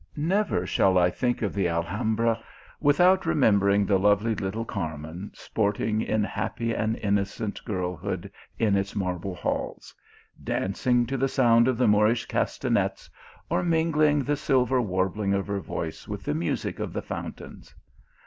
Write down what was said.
Never shall I think of the Alhambra without re membering the lovely little Carmen sporting in happy and innocent girlhood in its marble halls; dancing to the sound of the Moorish castanets, or mingling the 188 THE ALHAMBLA. silver warbling of her voice with the music of the fountains.